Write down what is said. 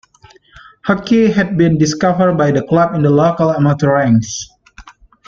Hockey had been discovered by the club in the local amateur ranks.